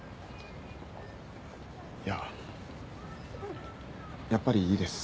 いややっぱりいいです。